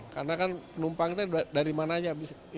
karena kan penumpang kita dari mana saja